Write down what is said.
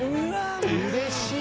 うれしい！